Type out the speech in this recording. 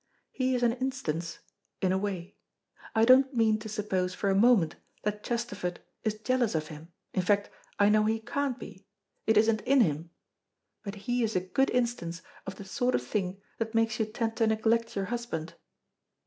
He is an instance in a way. I don't mean to suppose for a moment that Chesterford is jealous of him, in fact, I know he can't be it isn't in him; but he is a good instance of the sort of thing that makes you tend to neglect your husband."